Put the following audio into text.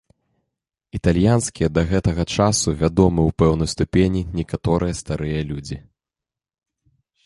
Італьянскія да гэтага часу вядомы ў пэўнай ступені некаторыя старыя людзі.